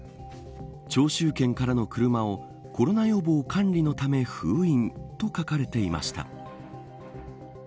肇州県からの車をコロナ予防管理のため封印と書かれていました。